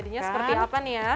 jadinya seperti apa nih ya